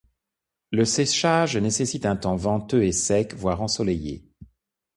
Le séchage nécessite un temps venteux et sec, voire ensoleillé.